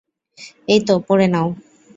এইতো, পরে নাও।